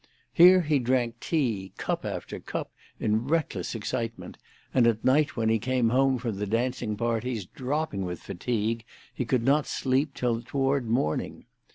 Here he drank tea, cup after cup, in reckless excitement, and at night when he came home from the dancing parties, dropping with fatigue, he could not sleep till toward morning.